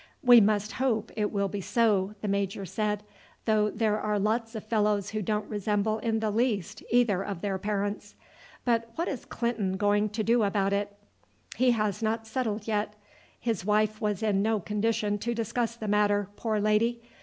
"We must hope it will be so," the major said, "though there are lots of fellows who don't resemble in the least either of their parents. But what is Clinton going to do about it?" "He has not settled yet. His wife was in no condition to discuss the matter, poor lady!